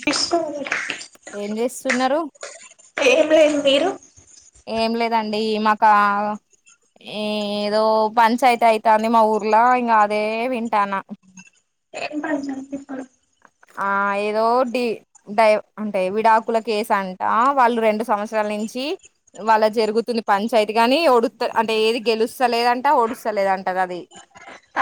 తీస్కో ఏం చేస్తున్నరు ఏం లేదు మీరు ఏం లేదండి మకా ఏ ఏదో పంచాయతీ అయితాంది. మా ఊర్ల ఇంకా అదే వింటాన్నా. ఇనపడిస్తాంది పడ్ ఆ ఏదోటి డై అంటై విడాకుల కేసు అంట వాళ్ళు రెండు సంవత్సరాల నించి వాళ్ళ జరుగుతుంది పంచాయతీ గాని ఒడుత్ అంటే ఏది గెలుస్తలేదంట ఓడుస్తలే అంటదది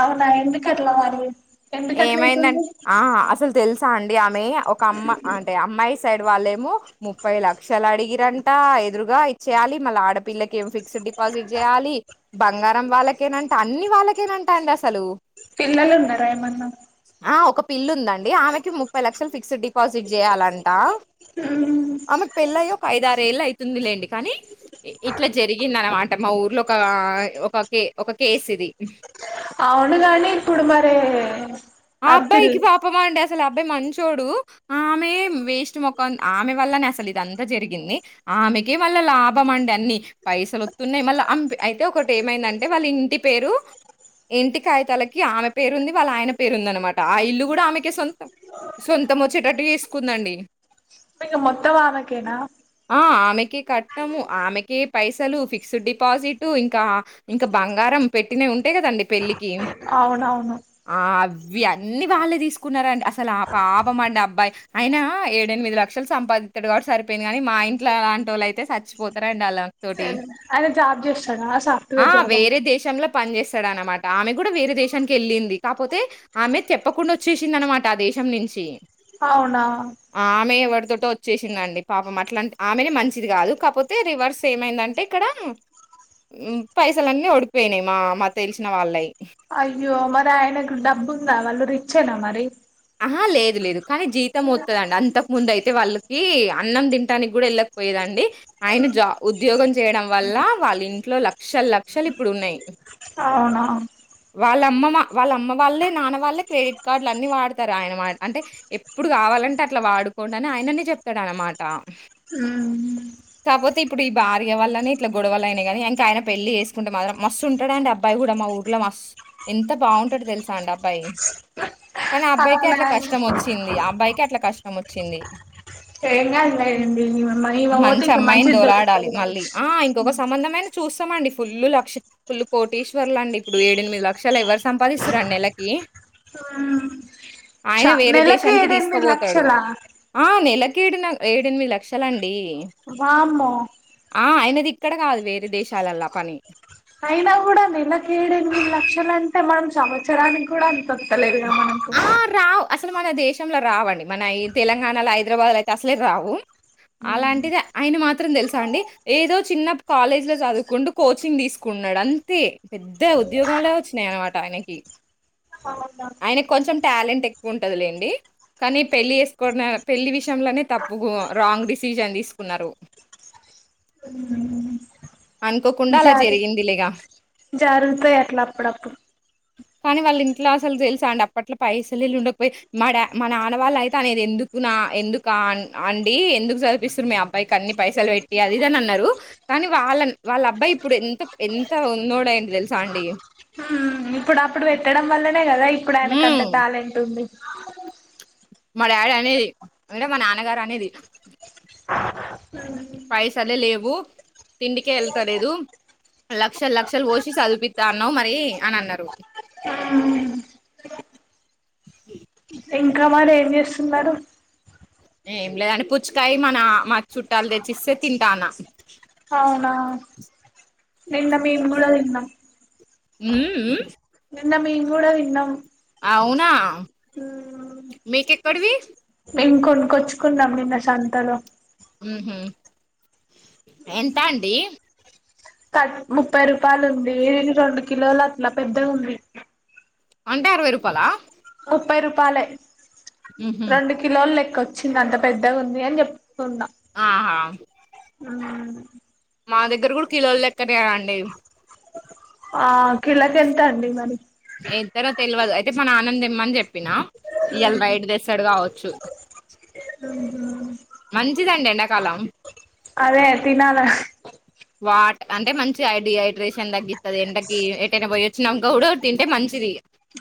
అవునా ఎందుకట్లా మరి ఎందుకట్లా ఏమైందన్ అయితుంది ఆహ్ అసలు తెలుసా అండి. ఆమె ఒక అమ్మ అంటే అమ్మాయి సైడ్ వాళ్ళేమో ముప్పై లక్షలు అడిగిరంటా ఎదురుగా ఇచ్చేయాలి. మళ్ళ ఆడపిల్లకి ఏం ఫిక్స్డ్ డిపాజిట్ జేయాలి బంగారం వాళ్ళకేనంట అన్ని వాళ్ళకేనంట అండి అసలు పిల్లలున్నారా ఏమన్నా పిళ్ళుందండి ఆమెకి ముప్పై లక్షలు ఫిక్స్డ్ డిపాజిట్ జేయాలంటా మ్మ్ అమెకి పెళ్ళై ఒక ఐదారేళ్ళు అయితుంది లేండి కనీ ఇ ఇట్లా జరిగిందనమాట మా ఊర్లో ఒక అ ఒక కే ఒక కేసీది అవును గనీ ఇప్పుడు మారే ఆబ్బాయికి పాపం అండి అస్ అసలు అబ్బాయి మంచోడు ఆమె వేస్ట్ మొక్కం ఆమె వల్లనే అసలు ఇదంతా జరిగింది అ ఆమెకే వాళ్ళ లాభం అండి అన్ని పైసలోత్తున్నాయ్ మళ్ళ అంపి అయితే ఒకటేమైందంటే వాళ్ళ ఇంటి పె పేరు ఇంటి కాగితలకి ఆమె పేరు ఉంది వాళ్ళయన పేరుందనమాట ఆ ఇల్లు గూడ ఆమెకే సొంతం సొంతమొచ్చేటట్టు చెసుకుందండి ఇగ మొత్తం ఆమెకేనా ఆ ఆమెకె కట్నము ఆమెకె పైసలు ఫిక్స్డ్ డిపాజిటు ఇంకా ఇంకా బంగారం పెట్టినయ్ ఉంటయ్ గదండి పెళ్ళకి అవునవును ఆ అవ్ వ్వి అన్నీ వాళ్ళే తీసుకున్నారండి అసలు ఆ పాపం అండి అబ్బాయి అయిన ఏడెనిమిది లక్షలు సంపా దిత్తడు గాబట్టి సరిపోయింది గనీ మా ఇంట్లో లాంటోళ్ళైతే సచ్చిపోతారు అండి అలా తోటి ఆయన జాబ్ చేస్తాడా ఆ సాఫ్ట్వేర్ జాబా వేరే దేశంలా పని చేస్తాడనమాట ఆమె గూడా వేరే దేశానికి ఎళ్ళింది కాపోతే ఆమె చెప్పకుండ ఒచ్చేశిందనమాట ఆ దేశం నుంచి అవునా తొటె ఒచ్చేశిందండి పాపం అట్లాంటి ఆమెనే మంచిది గాదు కాపోతే రివర్స్ ఏమైందంటే ఇక్కడా మ్ పైసలన్నీ ఓడిపోయినాయ్ మా మా తెలిసిన వాళ్ళై అయ్యో మరి ఆయనకు డబ్బు ఉందా వాళ్ళు రిచ్చేనా మరి ఆహ లేదు లేదు కానీ జీతం ఒత్తదండి అంతకు ముందైతే వాళ్ళకి అన్నం తింటానికి గూడా ఎళ్ళకపోయేదన్ డి ఆయన జా ఉద్యోగం చేయడం వల్ల వాళ్ళింట్లో లక్షల లక్షలు ఇప్పుడున్నాయ్ ఆవునా వాళ్ళమ్మ మ వాళ్ళ అమ్మ వాళ్ళే నాన్న వాళ్ళే క్రెడిట్ కార్డల్ అన్నీ వాడ్ తరు ఆయన మా అంటే ఎప్పుడు గావాలంటే అట్ల వాడుకోండి అని ఆయననే చెప్తాడు అనమాట మ్ హు కాపోతే ఇప్పుడు ఈ భార్య వల్లనే ఇట్ల గొడవలైనయ్ గనీ ఇంక ఆయన పెళ్ళి చేసుకుంటే మాత్రం మస్తుంటడండి అబ్బాయి గూడా మా ఊర్లో మస్ ఎంత బాగుంటడు తెలుసా అండి అబ్బాయి కనీ అ బ్బాయికె అవునా అట్ల కష్టం ఒచ్చింది అబ్బాయికె అట్ల కష్టం ఒచ్చింది ఏంగాదు లెండి ఇంగ ఇమే పోతె మంచి ఇంక అమ్మాయిని మంచిది దోలాడాలి దొరుకుతది కావొచ్చు తమండి ఫుల్ లక్ష ఫుల్ కోటీశ్వర్లండి ఇప్పుడు ఏడెనిమిది లక్షలు ఎవరు సంపాదిస్తురండి నెలకి ఆ ఆయన వేరే దేశానికి తీసుకపోతడు లక్షలా ఆ నెల కెడ్ న ఏడేనిమిది లక్షలండి వామ్మో ఆ అయినదిక్కడ గాదు వేరే దేశాలల్లా పని అయినా గూడా నెలకి ఏడెనిమిది లక్షలు అంటే మనం సంవత్సరానికి గూడా అంతొత్తలేదు అహా! ఆ రావ్ అసలు మన దేశంల రావండి మన ఈ తెలంగాణలో హైద్రాబాద్లో అయితే అసలే రావు అలాంటిది ఆయన మాత్ త్రం తెలుసా అండి ఏదో చిన్న కాలేజీ లో చదువుకుండు కోచింగ్ తీసుకున్నడు అంతే పెద్ద ఉద్యోగాంలే ఒచ్చినయి అనమాట ఆయనకి అవునా ఆయనక్ కొంచెం టాలెంట్ ఎక్కువుంటదిలేండి కానీ పెళ్లిి వేస్కోనా పెళ్లిి విషయంలోనే తప్పు గ రాంగ్ డిసిజన్ తీసుకున్నారు మ్ అనుకోకుండా అలా జరిగిందిలే ఇగ జరుగుతాయి అట్లా అప్పుడప్పుడు కానీ వాళ్ళింట్ల అసలు తెలుసా అండి అప్పట్ల పైసలిల్ ఉండకపో మాడా మా నాన్న వాళ్ళైతే అనేది ఎందు నా ఎందుకా అ అండి ఎందుకు జదిపిస్సురు మీ అబ్బాయికి అన్ని పైసల్ వేట్టి అదిఇది అని అన్నారు కానీ వాళ్ళన్ వాళ్ళ అబ్బాయి ఇప్పుడు ఎంత్ ఎంత ఉన్నాడు అయిండు దెలుసా ఆండీ ఉమ్ ఇప్పుడు అప్పుడు వేట్టడం వల్లనే గదా ఇప్పుడు హ్మ్. అయినాకంత టాలెంట్ ఉంది మా డాడీ అనేది అంటె మా నాన్నగారు అనేది పైసలే లేవు తిండికే ఏళ్తలేదు లక్షల్ లక్షలు పోషీ సదిపిత్తానవ్ మరీ అని అన్నరు ఉమ్ ఇంకా మరి ఏం జేసున్నారు ఏం లేదండి పుచ్చకాయ మనా మా చుట్టాల్ దెచ్చిస్తే తింటానా అవునా నిన్న మీం గుడ దిన్నం ఉమ్ ఉమ్మ్ నిన్న మీం గూడ దిన్నం అవునా మీకెక్కడవీ మిం కొనుకొచ్చుకున్నాం నిన్న సంతలో ఉహు్మ్ ఎంత అండి కట్ ముప్పై రూపాయిలుందీ రెండు కిలోల్ అట్లా పెద్దగుంది అంటే ఆర్వైరుపాలా ముప్పై రూపాలే "ఉమ్హు. రెండు కిలోల్లెక్క వచ్చింది అంత పెద్దగుంది అని జేప్తున్నా ఆహా మా దగ్గర గుడ కిలోల్లెక్కనే అండి ఆ కిలక్ ఎంత అండి మరి ఎంత్తనొ తెల్వదు అయితే మా నాన్నాన్ తెమ్మని చెప్పినా ఇయ్యాల్ నైట్ దేస్తాడు కావచ్చు మంచ్చిదండి ఎండాకాలం అదే తినలా వాట్ అంటే మంచిగ డిహైడ్రేషన్ తగ్గిత్తది ఎండకీ ఎటైనా పోయి వచ్చినాంక గూడ తింటే మంచ్ చిదీ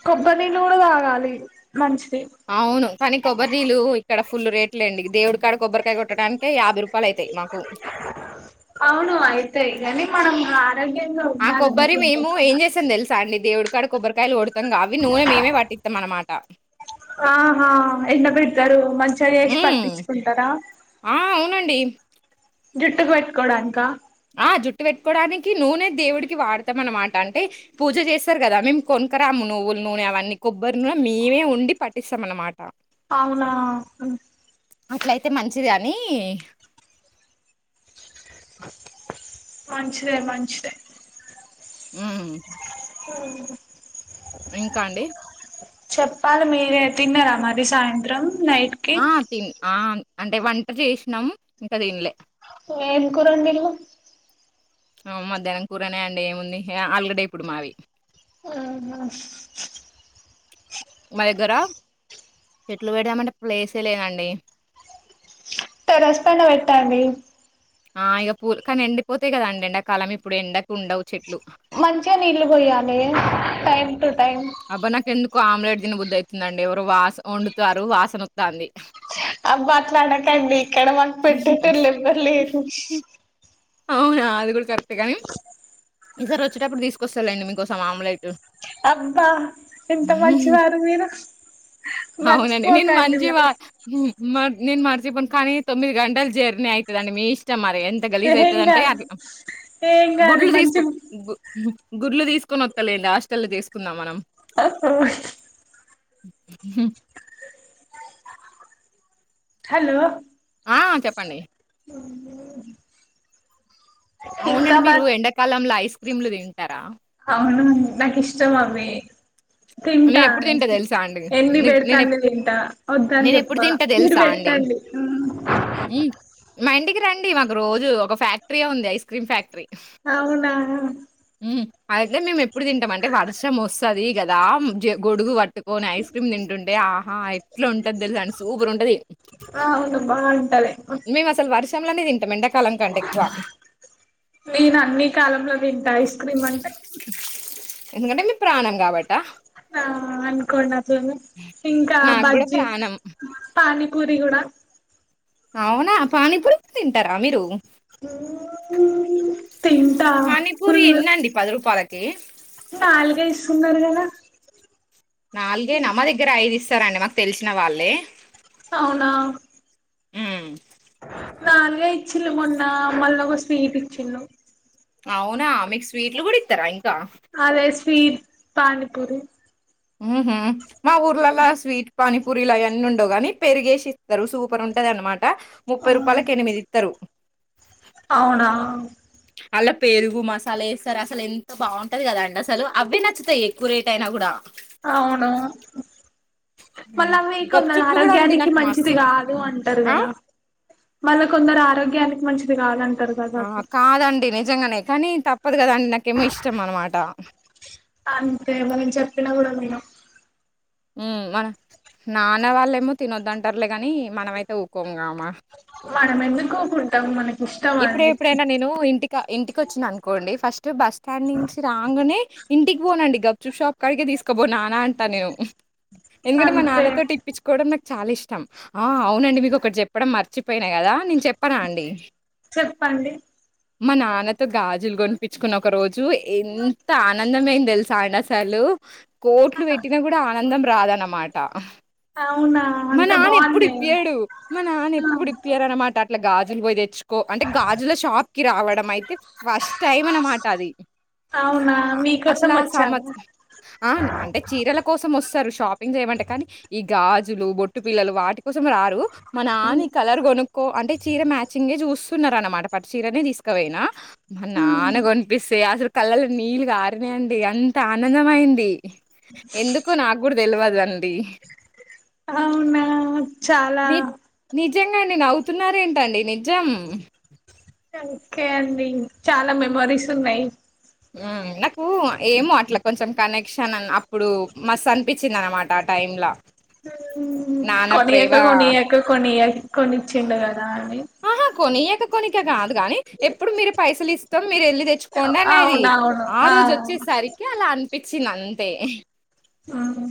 కొబ్బర్నీళ్ళు గుడ దాగాలీ మంచిది అవును. కానీ కొబ్బర్నీళ్లు ఇక్కడ ఫుల్ రేట్లెండి దేవుడికాడ కొబ్బరికాయ కొట్టడాన్కె యాభై రూపాల్ అయితై మాకు అవును అయితే గనీ మనం రా ఆ కొబ్బరి మేము ఏం జెస్తాం దెలుసా అండి దేవుడు క్కడ కొబ్బరికాయలు గొడుతాం గా అవి నూనె మేమే వట్టిత్తం అనమాట ఆహా ఎండ బెడ్తారు మంచిగా జేసి పట్టించుకుంటారా డిం జుట్టుక్ వేట్టుకోడాన్కా ఆ జుట్టు వేట్టుకోడానికి నూనె దేవుడికి వాడతాం అనమాట అంటే పూజ జేస్తర్ గదా మేం కొన్ కోరాము నువ్వుల్ నూనె అవన్నీ కొబ్బరి నూనె మేమే ఉండి పటిస్తాం అనమాట ఔనా అట్లయితే మంచిది అనీ మంచిదే మంచిదే హ్మ్. ఆహ్ ఇంకాండి చెప్పాలి మీరే తిన్నారా మరీ సాయంత్రం నైట్ కి ఆహ్ తిన్ ఆ అంటే వంట జేష్నం ఇంకా తిన్లే ఏం కూర ఓండింన్లు ఆ మధ్యాహ్నం కూరనే అండి ఏముంది అల్గడ్డ ఇప్పుడు మాది ఆ మా దెగ్గర చెట్లు పెడ్దామంటే ప్లేసే లేదండి టేరస్పన వెట్టండి ఆ ఇగ పూల్ కాన్ ఎండిపోతాయ్ కదండి ఎంకాలం ఇప్పుడెండక్ ఉండవ్ చెట్లు మంచిగా నీళ్ళు పోయాలే టైమ్ టు టైం కొ ఆమ్లెట్ తీన్బుద్దైతుందండి ఎవరొ వాస్ వండుతారు వాసనొత్తాంది ఆబ్బట్లానకండి ఇక్కడ మాక్ పెట్టేటోళ్ళెవ్వర్ లేరు అవ్నా అది గుడ్ కరెక్టే గానీ ఈసారోచ్టపుడు తీసుకొస్తలెండి మీకోసం ఆమ్లెటు అబ్బా ఎంత మంచివార్ మీరు అవ్నండి నేన్ మర్చిపోకండి మరి మంచివర్ మన్ నేన్ మర్చిపోన్ కానీ తొమ్మిది గంటల్ జర్నీ ఐతదండి మీ ఇష్టం మర్ ఎంత గలీజ్ ఏం ఐతదింటే కాదు అట్ల ఏం కాదు గుడ్లు మంచి దీస్కో గు గుడ్లు తీస్కొనోత్తలెండి హాస్టల్ల్లో జేస్కుందాం మనం ఆ హా హలో ఆ చెప్పండి [unintelligible] అవ్ ఇంకా నండి మా మీరు ఎండాకాలంల ఐస్ క్రీమ్లు తింటారా అవును నాకిష్టం అవి తింటా నేనెప్పుడు తింటా తెలుసా అండి. ఎన్ని నే బేడ్తే నేనెప్ అన్ని తింటా ఒద్దన్ నేనెప్పుడు జెప్తా తింటా మీరు తెలుసా బెట్ అండి. టండి ఉ హ్మ్. మా ఇంటికి రండి మాకు రోజు ఒక ఫ్యాక్టరీయె ఉంది ఐస్ క్రీమ్ ఫ్యాక్టరీ అవునా ఐతే మేమ్ ఎప్పుడు తింటామంటే వర్షం ఒస్తాది గదా జె గొడుగు వట్టు కొన్ ఐస్ క్రీమ్ తింటుంటే ఆహా ఎట్లుంటద్ తెల్సా అన్ సూపర్ ఉంటది ఆ అవ్ను బా ఉంటాది ర్షం లనే తింటమ్ ఎండక్ నేన్ అన్ని కాలంలో తింట ఐస్ క్రీమ్ అంటే ఎందుకంటే మీ ప్రాణం కావట్టా ఆ అనుకోన్డట్లనే ఇంకా నాకు గూడా బజ్జి ప్రాణం. పానీ పూరి గూడా అవునా పానీపురి తింటారా మీరు తింటా పానీపూరి ఫుల్లు ఎన్నండి పది రూపాయలకి నాల్గే ఇస్తున్నార్ గదా నాల్గేన మా దెగ్గర ఐద్ ఇస్తారండి మాక్ తెల్సినవాళ్ళే అవునా ఉమ్ నాల్గే ఇచ్చిళు మొన్న మళ్ళొక స్వీట్ ఇచ్చిళు అవ్నా మీక్ స్వీట్లు గుడిత్తరా ఇంకా అదే స్వీట్ పనీపూరి ఉహు మా ఊర్లాలా స్వీట్ పానీపూరిల్ అయన్ని ఉండవ్ గాని పెరిగేసిస్తారు సూపర్ ఉంటది అనమాట్ ట ముప్పై రూపాలక్ ఎనిమిదిత్తరు అవునా అలా పెరుగు మసాలెస్తార్ అసల్ ఎంత బాగుంటది కదండి అసలు అవ్వె నచ్చుతాయ్ ఎక్కువ్ రేట్ ఐనా గూడా అవును ఉమ్. మళ్ళవి కొందర్ గప్చుప్లు కూడా అండి ఆరోగ్యానికి నాకు మస్తు మంచిది ఇ- గాదు అంటార్ ఆ గదా మళ్ళ కొందర్ ఆరోగ్యానికి మంచిది గదంట ఆ కాదండి నిజంగానే కానీ తప్పద్ గదండి నాకేమో ఇష్టం అనమాట అంతే మనం చెప్పినా గుడా వినం ఉమ్ మన నాన్న వాళ్ళేమో తినొదుంటార్లే గని మనమైతే ఊకోంగామ మనమెందుకూకుంటం మన ఇపుడెపుడైనా నేను ఇంటిక ఇంటికొచ్చింననుకోండి ఫస్ట్ బస్స్టాండ్ నించిరాంగనే ఇంటికి వోనండి గప్చుప్ షాప్ కాడికే దీస్కపో నాన అంటా నేను ఎందుకంటే మా అంతే నాన్నతోటి ఇప్పిచుకోడం నాక్ చాలిష్టం ఆ అవునండి మీకొకటి జెప్పడం మర్చిపోయిన గదా నేను చెప్పన అండి చెప్పండీ మా నాన్నతో గాజులు గొనిపిచ్చుకున్న ఒక రోజు ఎంత ఆనందమైందెల్సా ఆయనసలు కోట్లు పేట్టిన గూడ ఆనందం రాదన్నమాట అవునా మా అంత నాన్న ఎప్పుడు బాగున్నాయి ఇప్పియడు మా నాన్న ఎప్పుడు ఇప్పియరన్నమాట అట్ల గాజుల్ గ్జులు పోయ్ దెచ్చుకో అంటే గాజుల షాప్ కి రావడం అయితే ఫస్ట్ టైం అన్నమాట అది ఆ అవునా అ మీకోసం వచ్చాను అసలాసామచ్ అ అంటే చీరల కోసమోస్తరు షాపింగ్ జేయమంటే కానీ ఈ గాజులు బొట్టుబిళ్ళలు వాటి కోసం రారు మానాన్న ఈ కొను కో అంటే చీర మ్యాచింగే జూస్త్ తున్నరన్నమాట పట్టుచీరనే దీస్కపోయిన మా నాన్నగొన్పిస్తే అసలు కళ్ళల్లో నీళ్లు కారినై అండి అంత ఆనందమైంది ఎందుకో నాగూడ తెలువదండీ అవునా చాలా జంగండి నవ్వునారెంటండీ నిజం ఓకే ఓకే అండి చాలా మెమోరీసున్నయి నాకు ఏమో అట్ల కొంచెం కనెక్షన్ అన్ అప్పుడు మస్స్ అనిపించింది అనమాట ఆ టైం లా కొనియక కోనియక కొనియక కొనిచ్చిండు గదఅండి ఆహా కొనియక కొనికకాదు గానీ ఎప్పుడు మీరె పైసలు ఇస్తం మీరెళ్ళీ తెచ్చుకోండనేది ఆ రోజొచ్చేసరికి అలా అన్పించింది అంతే ఆహా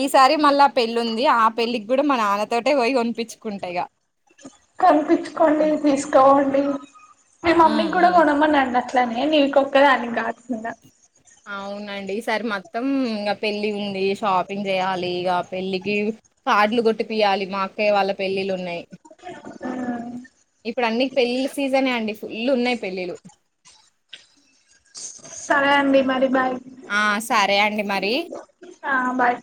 ఈసారి మళ్ళ ఆ పెళ్ళుందీ ఆ పెళ్ళికి గూడా మా నాన్నతోటేపోయి కొంపించుకుంటిగా కొంపిచ్చుకోండి తీసుకాపొండి మీ హ్మ్. మమ్మీకీ గూడా హ్మ్. కోనమన్నండి అట్లనే నీకొక్కదానికి గాకుండ అవునండి ఇసర్ మొత్తం ఇంగా పెళ్లి ఉంది షాపింగ్ జేయాలిగా పెళ్ళికి కార్డులు గొట్టిపియ్యాలి మా అక్కయ్య వాళ్ళ పెళ్లిల్లున్నయి ఇపుడన్ని పెళ్ళిళ్ళ సీజనే అండి ఫుల్లున్నయి పెళ్ళిలు రండి మరి బాయ్ ఆ సరే అండి మరీ ఆ బాయ్